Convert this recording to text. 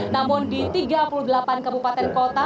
namun di tiga puluh delapan kabupaten kota